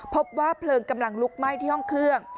พบว่าเพลิงกำลังลุกไหม้ที่ห้องเครื่อง